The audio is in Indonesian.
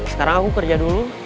sekarang aku kerja dulu